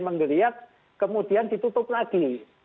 mengeliat kemudian ditutup lagi